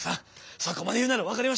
そこまで言うなら分かりました！